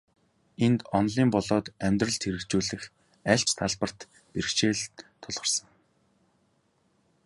Энд, онолын болоод амьдралд хэрэгжүүлэх аль ч талбарт бэрхшээл тулгарсан.